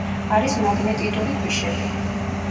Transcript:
არის მაგნეტიტური ქვიშები.